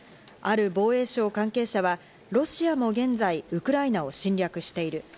ある防衛省関係者は、ロシアも現在ウクライナを侵略している。